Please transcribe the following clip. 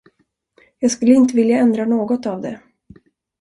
Jag skulle inte vilja ändra något av det.